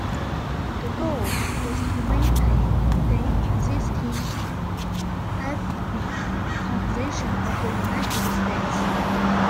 The goal was to maintain the existing ethnic composition of the United States.